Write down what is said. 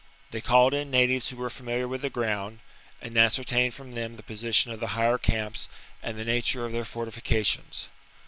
They called in natives who were familiar with the ground, and ascertained from them the position of the higher camps and the nature of their fortifica tions.